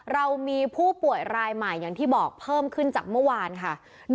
เรามีผู้ป่วยรายใหม่อย่างที่บอกเพิ่มขึ้นจากเมื่อวานค่ะ